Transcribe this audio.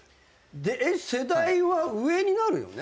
世代は上になるよね？